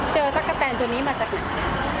ตั๊กกะแตนตัวนี้มาจากไหน